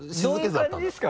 どういう感じですか？